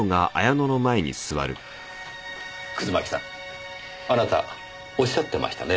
葛巻さんあなたおっしゃってましたね。